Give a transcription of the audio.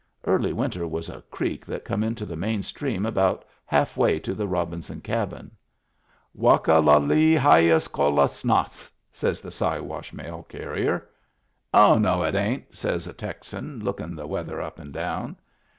Early Winter was a creek that come into the main stream about halfway to the Robinson Cabin. " Wake la le hyas cole snass^' says the Siwash mail carrier. " Oh, no, it ain't," says a Texan, lookin' the weather up and down.